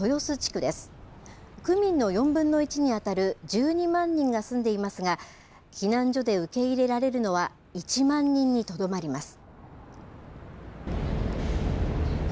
区民の４分の１に当たる１２万人が住んでいますが、避難所で受け入れられるのは１万人にとどまります。